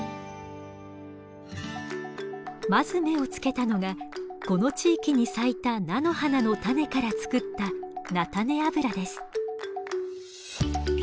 まず目をつけたのがこの地域に咲いた菜の花の種から作った菜種油です。